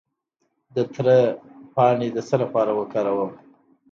د تره پاڼې د څه لپاره وکاروم؟